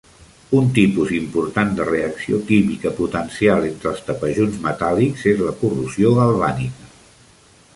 Un tipus important de reacció química potencial entre els tapajunts metàl·lics és la corrosió galvànica.